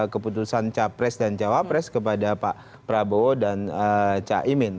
keputusan capres dan cawapres kepada pak prabowo dan caimin